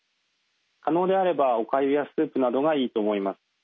可能であればおかゆやスープなどがいいと思います。